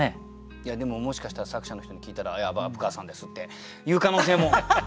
いやでももしかしたら作者の人に聞いたらいや虻川さんですっていう可能性も。